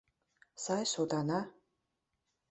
Сай сотана!